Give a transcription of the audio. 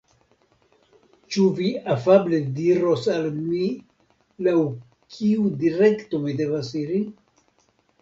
Ĉu vi afable diros al mi laŭ kiu direkto mi devas iri?